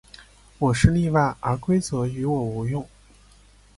我是例外，而规则于我无用。